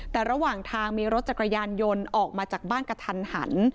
แต่ระหว่างทางมีรถจักรยานยนต์ออกมาจากบ้านกระทันหัน